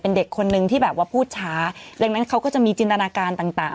เป็นเด็กคนนึงที่แบบว่าพูดช้าดังนั้นเขาก็จะมีจินตนาการต่างต่าง